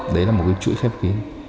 đấy là một cái chuỗi khép kín